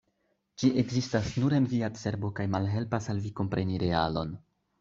Ĝi ekzistas nur en via cerbo kaj malhelpas al vi kompreni realon.